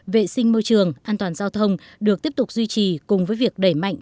vệ sinh môi trường an toàn giao thông được tiếp tục duy trì cùng với việc đẩy mạnh